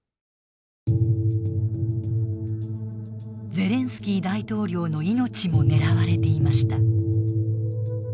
ゼレンスキー大統領の命も狙われていました。